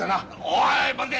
おい待て！